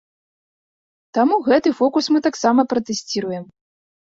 Таму гэты фокус мы таксама пратэсціруем.